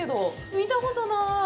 見たことなーい。